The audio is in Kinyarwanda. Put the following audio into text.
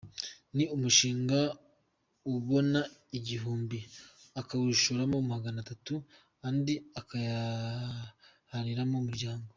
Ni umushinga abona igihumbi, akawushoraho magana atanu andi akayahahiramo umuryango.